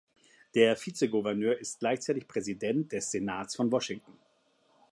Der Vizegouverneur ist gleichzeitig Präsident des Senats von Washington.